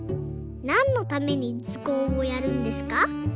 なんのためにずこうをやるんですか？」